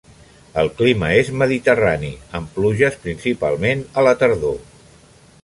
El clima és mediterrani amb pluges principalment a la tardor.